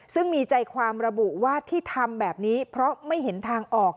ซึ่งมีใจความระบุว่าที่ทำแบบนี้เพราะไม่เห็นทางออก